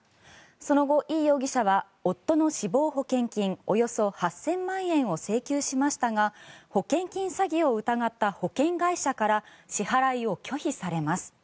その後、イ容疑者は夫の死亡保険金およそ８０００万円を請求しましたが保険金詐欺を疑った保険会社から支払いを拒否されます。